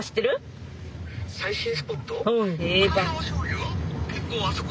最新スポット？